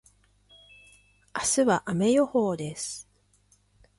明日は雨予報です。